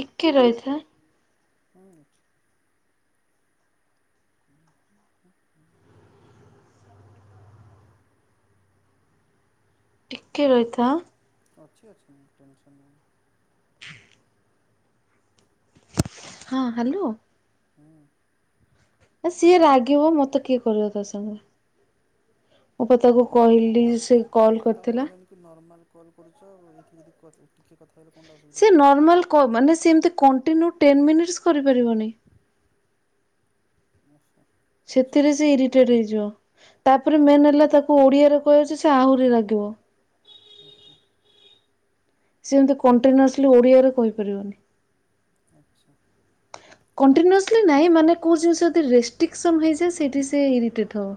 ଟିକେ ରହିଥା [inaudible] [inaudible] ଟିକେ ରହିଥା [inaudible] ହଁ ହ୍ୟାଲୋ [inaudible] ସିଏ ରାଗିବ ମତେ କିଏ କରିବ ତା ସାଙ୍ଗରେ ମୋ ପା ତାକୁ ଆଉ ତାକୁ ତାକୁ କହିଲନି କି ନର୍ମାଲ କଲ୍ କରୁଛ ଆଉ ଏଇଠି ଯଦି ଟିକେ କଥା ସେ ନର୍ମାଲ୍ କ-ମାନେ ସେ ଏମିତି କଣ୍ ଟିନୁ ଟେନ୍ ମିନିଟ୍ସ୍ କରିପାରିବନି। [unintelligible] ସେଥିରେ ସେ ଇରିଟେଡ୍ ହେଇଯିବ। ତାପରେ ମେନ୍ ହେଲା ତାକୁ ଓଡିଆରେ କୁହା ହଉଚି ସେ ଆହୁରି ରାଗିବ। ଓହୋ! ସେ ଏମତି କଣ୍ଟିନ୍ୟୁସ୍ଲି ଓଡିଆରେ କହିପାରିବନି। ଆଚ୍ଛା। କଣ୍ଟିନ୍ୟୁସ୍ଲି ନାଇଁ ମାନେ କୋଉ ଜିନିଷ ଯଦି ରେଷ୍ଟିକସନ୍ ହେଇଯାଏ। ସେଇଠି ସେ ଇରିଟେଟ୍ ହବ।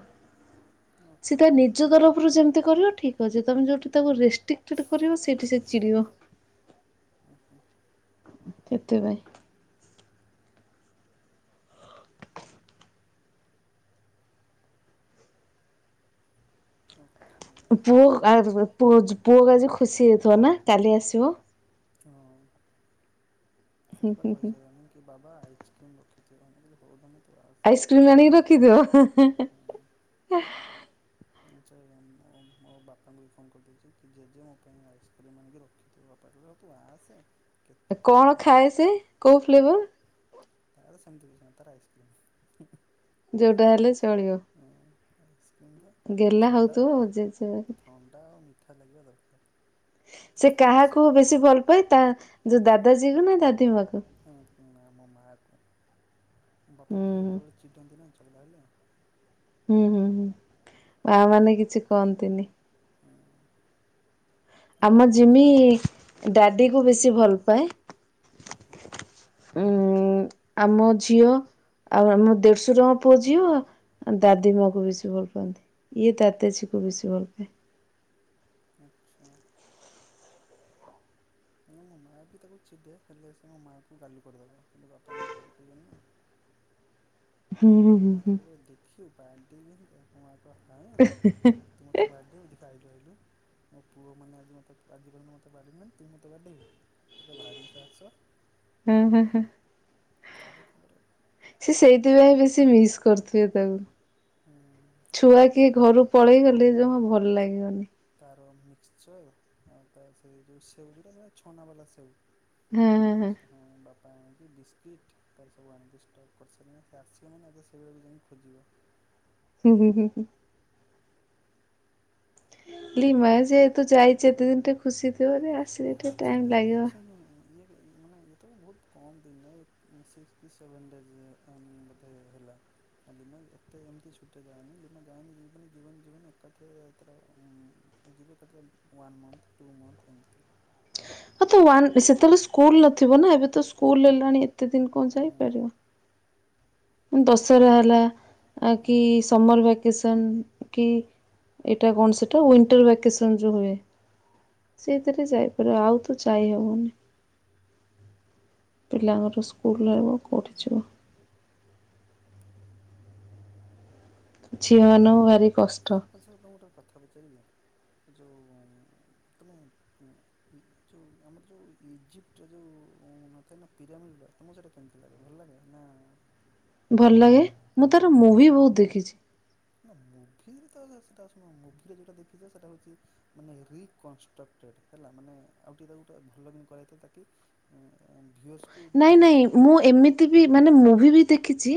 ସିଏ ତା ନିଜ ତରଫରୁ ଯେମିତି କରିବ ଠିକ। ତ ଯେ ତୋମେ ଯୋଉଠି ତାକୁ ରେଷ୍ଟିକଟେଡ୍ କରିବ ସେଇଠି ସେ ଚିଡିବ। ସେଥିପାଇଁ। ଓ, ପୁଅ ଆଜିବୁ ପୁଅ ଯୁ ପୁଅକୁ ଆଜି ଖୁସି ହେଇଥୁବ ନା? କାଲି ଆସିବ। ହଁ। ଏଇ ପା କହିସାଇଲାଣି କି ବାବ ବା ଆଇଚସ୍କ୍ରିମ୍ ରଖିଥିବ [unintelligible] ହଉ ଧନ ଆଇସ୍କ୍ରିମ୍ ଆଣିକି ରଖିଦିଅ। ଆଉ [unintelligible] ମୋ ମୋ ବାପାଙ୍କୁ ବି ଫୋନ୍ କରିଦେଇଚି କି ଜେଜେ ମୋ ପାଇଁ ଆଇସ୍କ୍ରିମ୍ ଆଣିକି ରଖିଥିବ। ବାପା କହିଲେ ହଉ ତୁ ଆସେ। ଏ କଣ ଖାଏ ସେ? କୋଉ ଫ୍ଲେଭର୍? ତାର ସେମିତି କିଛି ନାହିଁ ତାର ଆଇସ୍କ୍ରିମ୍। ଯୋଉଟା ହେଲେ ଚଳିବ। ଗେହ୍ଲା ହଉଥୁବ ଜେଜେ ପାଖ [inaudible] ଠା ଲାଗିବା ଦରକାର। ସେ କାହାକୁ ବେଶୀ ଭଲ ପାଏ? ତା ଯୋଉ ଦାଦା ଜିବୁ ନା ଦାଦି ମାକୁ। ହଁ କି ଣା ମୋ ମାକୁ। ବାପା ଟିକେ ବହୁତ ଚିଡନ୍ତି ନା। ସବୁ ବାହାରଲଣି? ହୁଁ, ହୁଁ, ହୁଁ, ମା ମାନେ କିଛି କଅନ୍ତିନି। ଆମ ଯିମି ଡା ଡିକୁ ବେଶି ଭଲ ପାଏ। ଉଁ, ଆମ ଝିଅ, ଆଉ ଆମ ଦେଢଶୁରଙ୍କ ପୁଅ ଝିଅ ଆ ଦାଦି ମା କୁ ବେଶି ଭଲ ପାଆନ୍ତି। ଇଏ ଦାଦାଜିକୁ ବେଶୀ ଭଲ ପାାଏ। ଆଚ୍ଛା। ମୋ ମାଆ ବି ତାକୁ ଚିଦେ ହେଲେ ସେ ମୋ ମା କୁ ଗାଲୁ କରିଦବ କିନ୍ତୁ ନୁ [unintelligible] ବାପାମ କରିିବ ନା ମୋ ମାକୁ ଦେଖିବାଡେଇବି। [inaudible] ହଁ ତୁମର ତେ ବାର୍ଥଡେ [unintelligible] ମୋ ପୁଅ ମାନେ ଆଜି ମତେ ଆଜି ପର୍ଯ୍ୟନ୍ତ ମତେ ବାଡ଼େଇନାହାନ୍ତି ତୁ ମତେ ବାଡ଼େଇବୁ ତୋର ତ ଭାରି ସାହସ। ହୁଁ ହୁଁ ହୁଁ ଚା [inaudible] ସେ ସେଇଥିପାଇ ହଁ ବେଶୀ ମିସ୍ କରଥିବେ ତାକୁ। ଛୁଆ କିଏ ଘରୁ ପଳେଇ ଗଲେ ଜମା ଭଲ ଲାଗିବନି। ମିକ୍ସଚର ସେ ଯୋ ସେଉ ଯୋଉଟା ଛଣା ବାଲା ସେଉ ଆା ହଁ ବା ଆଣିକି ବିସ୍କିଟ୍ ତାର ସବୁ ଆଣିକି ଷ୍ଟକ୍ କରିସାରିଲାଣି ସେ ଆସିବେ ମାନେ ଆ ସେଇଭଆ ବି ଯାଇକି ଖୋଜିବ। ହୁଁ ହୁଁ ହୁଁ ହୁଁ ଲିମା ଯେତୁ ଯାଇଛ ଏତେ ଦିନଟେ ଖୁସି ଜୋରେ ଆସିଲେ ଟିକେ ଟାଇମ୍ ଲାଗିବ। ମାନେ ଇଏ ତ ବହୁତ କମ୍ ଦିନରେ ସିକ୍ସକିଟି ସେଭେନ୍ ଡେଜ୍ ବୋଧେ ହେଲା ଲିମା ଏତେ ଏମିତି ଛୁଟିଆ ଯାଏନି ଲିମା ଯାଏନି ଯିବନି ଜୀବନ ଜବନି ଏକାଥରେ ତର ଯିବେ ଏକାଥରେ ୱାନ୍ ମନ୍ଥ ଟୁ ମନ୍ଥ ଏମିତି [unintelligible] ହଁ ତ ୱାନ ସେତେବେଳେ ସ୍କୁଲ ନଥିବ ନା ଏବେ ତ ସ୍କୁଲ ହେଲାଣି କେତେ ଦିନ କଣ ଯାଇପାରିବ? ଦଶହରା ହେଲା ଆ କି ସମର୍ ବେକେସନ୍ କି ଏଇଟା କଣ ସେଇଟା ୱିଣ୍ଟର ଭ୍ୟାକେସନ ଯେ ହୁଏ ସେଇଥିରେ ଯାଇପାରିବ ଆଉ ତ ଯାଇ ହେବନି ପିଲାଙ୍କର ସ୍କୁଲ ହେବ କେଉଁଠି ଯିବ? ଝିଅ ମାନ ଭାରି କଷ୍ [unintelligible] କଥା ପଚାରିବି ଏ ଯେଉଁ ତମେ ଯେଉଁ ଆମର ଯେଉଁ ଇଜିପ୍ଟର ଯେଉଁ ନଥାଏ ନା ପିରାମିଡ଼ ତୁମକୁ ସେଇଟା କେମିତି ଲାଗେ ଭଲ ଲାଗେ ନା? ଭଲ ଲାଗେ ମୁଁ ତାର ମୁଭି ବହୁତ ଦେଖିଛି। ମୁଭିରେ ତ ସେଟା ଶୁଣ ମୁଭିରେ ଯୋଟା ଦେଛ ସେଟା ହଉଛି ମାନେଟ ହେଲା ମାନେ ଆଉ ଟିକେ ଗୋଟେ ଭଲ କରାଇଥାଏ ତାକି। ନାଇଁ ନାଇଁ ମୁଁ ଏମିତି ବି ମାନେ ମୁଭି ବି ଦେଖିଛି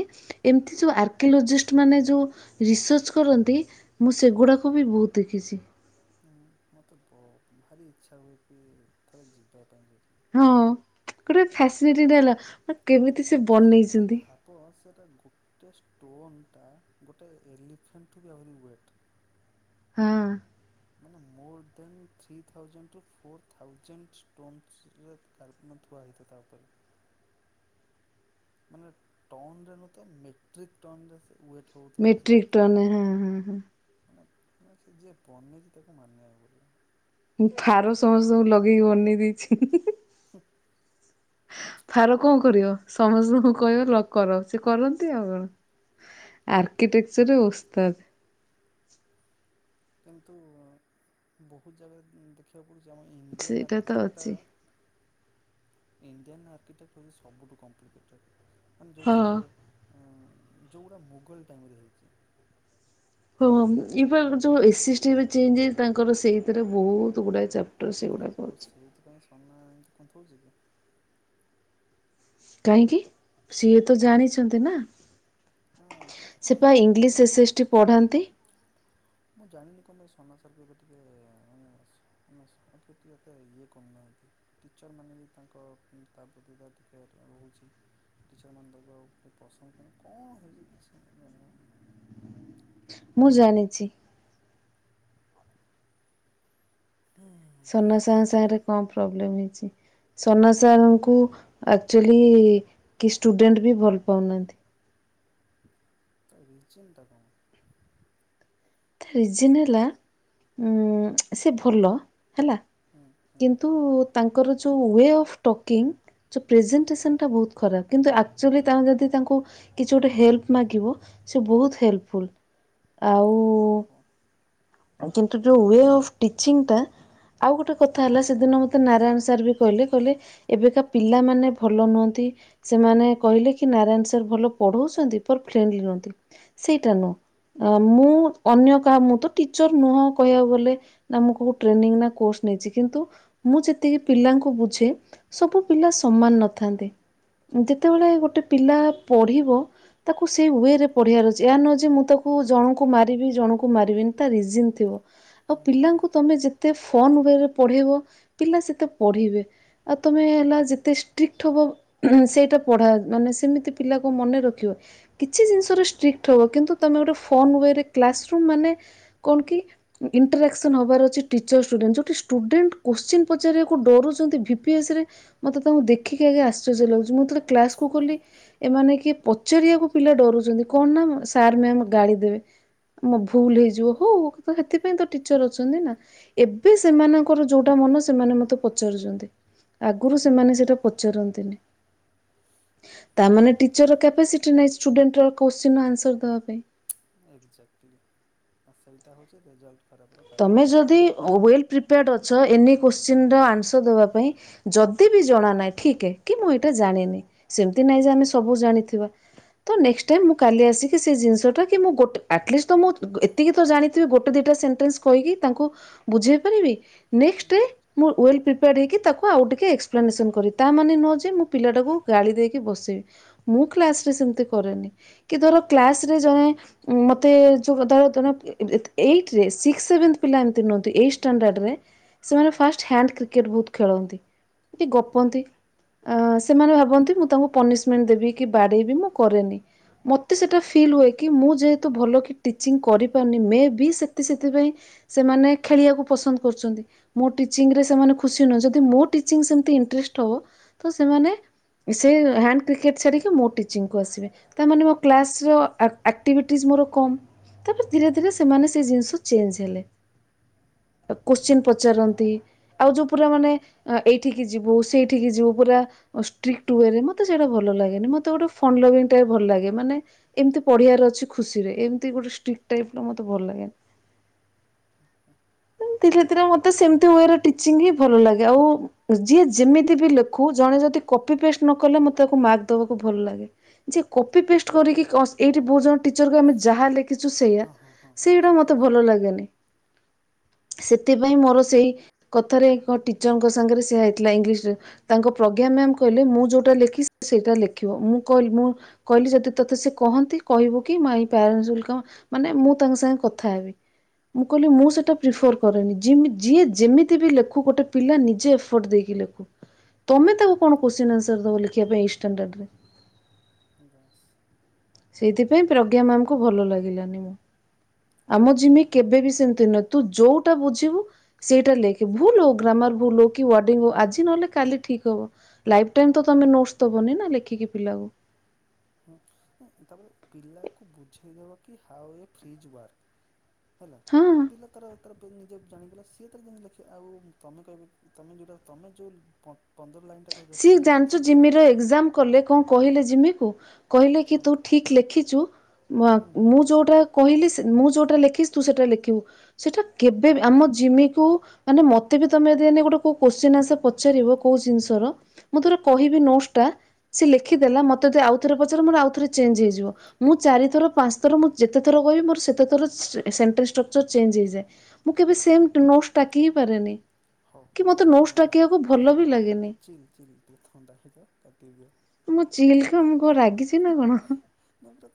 ଏମିତି ଯେଉଁ ଆର୍କିଓଲୋଜିଷ୍ଟ ମାନେ ଯେଉଁ ରିସର୍ଚ୍ଚ କରନ୍ତି ମୁଁ ସେଗୁଡ଼ାକ ବି ବହୁତ ଦେଖିଛି। ମତେ ବହୁ ଭାରି ଇଚ୍ଛା ହୁଏ କି ଥରେ ଯିବା ପାଇଁ ସେ ହଁ ଗୋଟେ ଫାସିଲିଟି ଦେଲ ଆ କେମିତି ସେ ବନେଇଛନ୍ତି। ସେଟା ଗୋଟେ ଷ୍ଟୋନ ଟା ଗୋଟେ ଏଲିଫାଣ୍ଟ୍ ଠୁ ବି ଆହୁରି ୱେଟ ହଁ ମାନେ more than three thousand two four thousand stone ଥୁଆ ହେଇଛି ତା ଉପରେ। ମାନେ ଟନ ତ ନ ଥାଏ ମେଟ୍ରିକ୍ ଟନ୍ ସେ ୱେଟ। ମେଟ୍ରିକ ଟନ ହଁ ହଁ ହଁ ଯେ ବନେଇଛି ତାକୁ ମାନିବାକୁ ପଡ଼ିବ। ମୁଁ ଫାର ସମସ୍ତଙ୍କୁ ଲଗେଇକି ବନେଇ ଦେଇଛି। ହ। ଫାର କଣ କରିବ ସମସ୍ତଙ୍କୁ କହିବ କର ସେ କରନ୍ତି ଆଉ କଣ ଆର୍କିଟେକ୍ଚର ଉସ୍ତାଦ୍। କିନ୍ତୁ ବହୁତ ଜାଗା ଦେଖିବାକୁ [inaudible] [inaudible] ଇଣ୍ଡିଆନ ଆର୍କଟେକ ସବୁଠୁ କମ୍ପ୍ଲିକେଟେଡ୍। ପ ଜାଇତ [inaudible] ଯୋଉଗୁଡା ମୋଗଲ ଟାଇମରେ ହେଇଚି। ହଁ ଏପା ଯୋଉ ଏସ ଏସ ଟି ତାଙ୍କର ବହୁତ ଗୁଡାଏ ଚାପ। ଓ ସେଇଥିପାଇଁ। କୁମ୍ଠଜିବେ [inaudible] କାହିଁକି ସିଏ ତ ଜାଣିଛନ୍ତି ନା। ସେପା ଇଂଲିଶ ଏସ୍ଏସ୍ଟି ପଢ଼ାନ୍ତି। ସମସ୍ତେ ଏବେ ଟିକେ ତାଙ୍କୁ ଡରୁଛନ୍ତି କଣ ପାଇଁ ସେ ଏତେ ରହୁଛନ୍ତି ମୁଁ ଜାଣିନି [inaudible] ମୁଁ ଜାଣିଚି। ହୁଁ [inaudible] ସନା ସାାର୍ ସାଙ୍ଗରେ କଣ ପ୍ରୋବ୍ଲେମ ହେଇଛି ସନା ସାର୍ଙ୍କୁ ଆକ୍ଚୁଆଲି କି ଷ୍ଟୁଡେଣ୍ଟ ବି ଭଲ ପାଉନାହାନ୍ତି। ତ ରଛିନ୍ତା କଣ [inaudible] ରିଜନ ହେଲା ଉ ସେ ଭଲ। ହେଲା କିନ୍ତୁ ତାଙ୍କ। ତାଙ୍କର ଯୋଉ ଙ୍ୱେ ଅଫ୍ ଟକିଂ। ଯେଉ ପ୍ରେଜେଣ୍ଟେସନ୍ଟା ବହୁତ ଖରାପ। କିନ୍ତୁ ଆକ୍ଚୁଆଲି ତା ଯଦି ତାଙ୍କୁ କିଛି ଗୋଟେ ହେଲ୍ପ ମାଗିବ ସେ ବହୁତ ହେଲ୍ପଫୁଲ୍ ଆଉ। କିନ୍ତୁ ଯୋଉ ଅଫଟି ଟା ଆଉ ଗୋଟେ କଥା ହେଲା ସେଦିନ ମତେ ନାରାୟଣ ସାର୍ ବି କହିଲେ କହିଲେ ଏବେକା ପିଲାମାନୋନେ ଭଲ ନୁହନ୍ତି ସେମାନେ କହିଲେ କି ନାରାୟଣ ସାର୍ ଭଲ ପଢଉଛନ୍ତି ପର ଫ୍ରେଣ୍ଡଲି ନୁହନ୍ତି। ସେଇଟା ନୁ। ମୁଁ। ଅନ୍ୟ କାହା ମୁଁ ତ ଟିଚର ନୁହଁ କହିବାକୁ ଗଲେ ନା ମୁଁ କକୁ ଟ୍ରେନିଂ ନା କୋର୍ସ ନେଇଛି କିନ୍ତୁ ମୁଁ ଯେତିକି ପିଲାଙ୍କୁ ବୁଝେ ସବୁ ପିଲା ସମାନ ନଥାନ୍ତି ଯେତେବେଳେ ଗୋଟେ ପିଲା ପଢ଼ିବ ତାକୁ ସେଇ ୱେ ରେ ପଢ଼ିବାର ଅଛି ଏହା ନୁହେଁ ଯେ ମୁଁ ତାକୁ ଜଣଙ୍କୁ ମାର। ମାରିବି ଜଣକୁ ମାରିବିନି ତାର ରିଯିନ ଥିବ। ଆଉ ପିଲାଙ୍କୁ ତମେ ଯେତେ। ଏତେ ଫନ୍ ୱେ ରେ ପଢେଇବ ପିଲା ସେତେ ପଢ଼ିବେ ଆଉ ତମେ ହେଲା ଯେତେ ଷ୍ଟ୍ରିକ୍ଟ ହବ ସେଇଟା ପଢ଼ା ସେମିତି ପିଲା କଣ ମନେ ରଖିବ। କିଛି ଜିନିଷରେ ଷ୍ଟ୍ରିକ୍ଟ ହେବ କିନ୍ତୁ ତୁମେ ଗୋଟେ ଫନ୍ ୱେରେ। କ୍ଲାସ ରୁମ ମାନେ କଣ କି ଇଣ୍ଟରାକ୍ସନ ହବାର ଅଛି ଟିଚର ଷ୍ଟୁଡେଣ୍ଟ ଯୋଉଠି ଷ୍ଟୁଡେଣ୍ଟ କୋଶ୍ଚିନ୍ ପଚାରିବାକୁ ଡରୁଛନ୍ତି ଭିପିଏସ୍ ରେ ମତେ ତାଙ୍କୁ ଦେଖିକି ଆଜ୍ଞା ଆଶ୍ଚର୍ଯ୍ୟ ଲାଗୁଚି ମୁଁ। କ୍ଲାସକୁୁ କଲି। ଏମାନେ କିଏ ପଚାରିବାକୁ ପିଲା ଡରୁଛନ୍ତି କଣ ନା ସାର୍ ମାମ୍ ଗାଳିଦେବେ। ଭୁଲ ହେଇଯିବ ହଉ ସେଥିପାଇଁ ତ ଟିଚର ଅଛନ୍ତି ନା ଏବେ ସେମାନଙ୍କର ଯୋଉଟା ମନ ସେମାନେ ମତେ ପଚାରୁଛନ୍ତି ଆଗରୁ ସେମାନେ ସେଟା ପଚାରନ୍ତିନି ତାମାନେ ଟିଚରର କାପାସିଟି ନାହିଁ ଷ୍ଟୁଡେଣ୍ଟର କ୍ଵଶ୍ଚିଁନର ଆନସର୍ ଦବା ପାଇଁ। ଏଜାକ୍ଲି ସେଇଟା ହଉଛିରେଜଲଟ [inaudible] ତମେ ଯଦି। ଏନି କ୍ଵଶ୍ଚଇନ୍ ର ଆଁନସାର ଦବା ପାଇଁ। ଯଦି ବି ଜଣା ନାହିଁ ଠିକେ କି ମୁଁ ଏଇଟା ଜାଣିନି ସେମିତି ନାହିଁ ଯେ ଆମେ ସବୁ ଜାଣିଥିବା ତ ନେକ୍ସ ଟାଇମ୍ ମୁଁ କାଲି ଆସି ସେ ଜିନିଷଟା କି ମୁଁ ଗୋଟେ ଆଟଲିିଷ୍ଟ ତ ମୁଁ ଏତିକି ତ ଜାଣିଥିବି ଗୋଟେ ଦୁଇଟା ସେଣ୍ଟେନ୍ସ- କହିିକି ତାଙ୍କୁ ବୁଝେଇ ପାରବି ନେକ୍ସ ଡେ ମୁଁ ଓଏଲ ପ୍ରିପାଆର ହେକି ତାକୁ ଆଉ ଟିକିଏ ଏକ୍ସପ୍ଲାନେସନ କରିବି ତାମାନେ ନୁହେଁ ଯେ ମୁଁ ପିଲାଟାକୁ ଗାଲି ଦେଇକି ବସିବି ମୁଁ କ୍ଲାସ୍ ରେ ସେମତି କରେନି କିଧର କ୍ଲାସ୍ ଜଣେ ମତେ ଯେଉଁ କଥା ତମେ ଏଇଥିରେସ ସିକ୍ସ ସେଭନ୍ଥ ପିଲା ଏମିତି ନୁହନ୍ତି ଏଇ ଷ୍ଟାଣ୍ଡାଡ୍ ରେ ସେମାନେ ଫାଷ୍ଟ ହ୍ୟାଣ୍ଡ କ୍ରିକେଟ୍ ବହୁତ୍ ଖେଳନ୍ତି କି ଗପନ୍ତି ସେମାନେ ଭାବନ୍ତି ମୁଁ ତାଙ୍କୁ ପନିସମେଣ୍ଟ ଦେବି କି ବାଡ଼େଇବି ମୁଁ କରେନି ମତେ ସେଟା ଫିଲ୍ ହୁଏ କି ମୁଁ ଯେହେତୁ ଭଲ କି ଟିଚିଂ କରିପାରୁନି ମେ ବି ସେ ଏଥି ସେଥିପାଇଁ ସେମାନେ ଖେଳିବାକୁ ପସନ୍ଦ କରୁଛନ୍ତି ମୋ ଟିଚିଂରେ ସେମାନେ ଖୁସି ନୁହଁ ଯଦି ମୋ ଟିଚିଂ ସେମିତି ଇଣ୍ଟରେଷ୍ଟ ହବ ତ ସେମାନେ ସେ ହ୍ୟାଣ୍ଡ କ୍ରିକେଟ୍ ଛାଡ଼ିକି ମୋ ଟିଚିଂକୁ ଆସିବେ ତା ମାନେ ମୋ କ୍ଲାସ୍ ର ଆକ୍ଟିଭିଟିଜ ମୋର କମ୍। ତାପରେ ଧୀରେ ଧୀରେ ସେମାନେ ସେ ଜିନିଷ ଚେଞ୍ଜ୍ ହେଲେ। କୋଶ୍ଚିନ୍ ପଚାରନ୍ତି ଆଉ ଯୋଉ ପୁରା ମାନେ ଏଇଠିକି ଯିବୁ ସେଇଠିକି ଯିବୁ ପୁରା ଷ୍ଟ୍ରିକ୍ଟ ୱେରେ ମତେ ସେଇଟା ଭଲ ଲାଗେନି ମୋତେ ଗୋଟେ ଫଣ୍ଡ ଲୋଭିଙ୍ଗ ଟାଇପ୍ ଭଲ ଲାଗେ ମାନେ ଏମିତି ପଢ଼ିବାର ଅଛି ଖୁସି ରେ ଏମିତି ଗୋଟେ ଷ୍ଟ୍ରିକ୍ ଟାଇପ୍ ର ମୋତେ ଭଲ ଲାଗେନି। ଧୀରେ ଧୀରେ ମତେ ସେମିତି ୱେରେ ଟିଚିଂ ହି ଭଲ ଲାଗେ ଆଉ ଯିଏ ଯେମିତି ବି ଲେଖୁ ଜଣେ ଯଦି କପି ପେଷ୍ଟ ନ କଲେ ମତେ ତାକୁ ମାର୍କ ଦବାକୁ ଭଲ ଲାଗେ ଯିଏ କପି ପେଷ୍ଟ କରିକି ଏଇଠି ବହୁତ ଜଣ ଟିଚରକୁ ଆମେ ଯାହା ଲେଖେ କିଛୁ ସେଇଆ ସେଇଡା ମତେ ଭଲ ଲାଗେନି। ସେଥିପାଇଁ ମୋର ସେଇ କଥାରେ ଏକ ଟିଚରଙ୍କ ସାଙ୍ଗରେ ସେଇଆ ହେଇଥିଲା ଇଂଲିଶରେ ତାଙ୍କ ପ୍ରଜ୍ଞା ମ୍ୟାାମ କହିଲେ ମୁଁ ଯୋଉଟା ଲେଖିଛି ସେଇଟା ଲେଖିବ ମୁଁ କହିଲି ମୁଁ କହିଲି ଯଦି ତୋତେ ସେ କହନ୍ତି କହିବୁ କି ମାଇ ପ୍ୟାରେଣ୍ଟସ୍ ୱିଲ୍ କମ୍ ମାନେ ମୁଁ ତାଙ୍କ ସାଙ୍ଗେ କଥା ହେବି ମୁଁ କହିଲି ମୁଁ ସେ ରିିଫର କରେ ନି ଜିମ୍ ଯିଏ ଯେମିତି ବି ଲେଖୁ ଗୋଟେ ପିଲା ନିଜେ ଏଫର୍ଟ ତମେ ତାକୁ କଣ କୋଶ୍ଚିନ୍ ଆନ୍ସର ଦବ ଲେଖିବାକୁ ଏଇ ଷ୍ଟାଣ୍ଡାରେ। ନ୍ଦାସ୍। ସେଇଥିପାଇଁ ପ୍ରଜ୍ଞା ମ୍ୟାମକୁ ଭଲ ଲାଗିଲାନି ମୁଁ। ଆମ ଜିମି କେବେ ବିି ସେମିତି ନ ଯୋଉଟା ବୁଝିବୁ ସେଇଟା ଲେଖେ ଭୁଲ ହୋଉ ଗ୍ରାମର ଭୁଲ ହୋଉ କି ୱାର୍ଡିଙ୍ଗ ହୋଉ ଆଜି ନହେଲେ କାଲି ଠିକ ହବ ଲାଇଫ୍ ଟାଇମ୍ ତମେ ନୋଟ ଦବନି ନା ଲେଖିକି ପିଲାକୁ। ହଁ ତାପରେ ପିଲାକୁ ବୁଝେଇଦବ କି ହାଓ ଏ ଫ୍ରିଜ୍ ୱାର୍କ୍। ହେଲା ପିଲା ତାର ତାର ନିଜେ ଜାଣିଗଲା ସିଏ ତାର ଯେମିତି ଲଖିବ ଆଉ ତମେ କହିବ ତମେ ଯୋଉଟା ତମେ ଯୋଉ ପ ସିଏ ଜାଣିଚୁ ଜିମିର ଏଜାମ କଲେ କଣ କହିଲେ ଜିମିକୁ। କହିଲେ କି ତୁ ଠିକ୍ ଲେଖିଛୁ ମୁଁ ଯୋଉଟା କହିଲି ସେ ମୁଁ ଯୋଉଟା ଲେଖିଛି ତୁ ସେଟା ଲେଖିବୁ ସେଟା କେବେ ବି ଆମ ଜିମିକୁ ମାନେ ମତେ ବି ତମେ ଦ ଗୋଟେ କୋଉ କୋଶ୍ଚିନ୍ ଆନ୍ ସାର୍ ପଚାରିବ କୋଉ ଜିନିଷ ଧର ମୁଁ ଧର କହିବି ନୋସଟା ସେ ଲେଖିଦେଲା ମତେ ଯଦି ଆଉ ଥରେ ପଚାରେ ଆଉ ଥରେ ଚେଞ୍ଜ ହେଇଯିବ ମୁଁ ଚାରି ଥର ପାଞ୍ଚ ଥର ଯେତେ ଥର କହିବି ମୋର ସେଥି ଥର ସେଣ୍ଟେସ ଷ୍ଟକ୍ଚର୍ ଚେଞ୍ଜ ହେଇ ଯାଏ ମୁଁ କେବେ ସେମଟ୍ ନୋସ୍ ଡାକି ହଁ ପାରେନି। କି ମତେ ନୋସ୍ ଡାକିବାକୁ ଭଲ ବି ଲାଗେନି। ଚିଲ୍ ଚିଲ୍ ତୁ ଥଣ୍ଡା ହେଇଯା ତାତିକି ପୁରା। ତୁ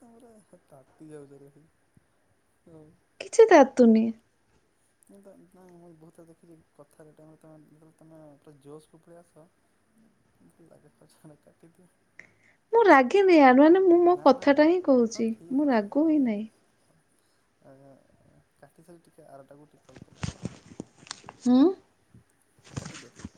ପୁରା ତାତି [unintelligible] କିଛି ତାତୁନି। ମୁଁ ବହୁତ ଦେଖିଛି କଥାରେ ଯେବେଳେ ତମେ ଜୋସ୍କୁ ପଳେଇ ଆସ ଭଲ ଲାଗ କାଟିଦିଅ। ମୁଁ ରାଗିିନି ୟା ମାନେ ମୁଁ ମୋ କଥାଟା ହିଁ କହୁଛି ମୁଁ ରାଗୁ ହିଁ ନାହିଁ। ଆଗା କାଠି ଥିଲେ ଟିକେ ଆର ତା ଗୋଟି କଲ୍ କଲ କାଟିଦିଅ ଟିକେ।